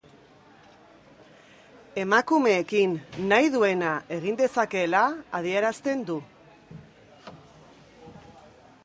Emakumeekin nahi duena egin dezakeela adierazten du.